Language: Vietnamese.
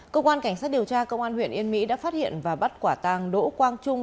cơ quan cảnh sát điều tra công an huyện yên mỹ đã phát hiện và bắt quả tàng đỗ quang trung